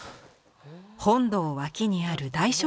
本堂脇にある大書